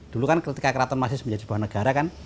dulu kan ketika keraton masih menjadi buah negara